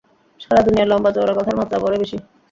সারা দুনিয়ায় লম্বা-চওড়া কথার মাত্রা বড়ই বেশী।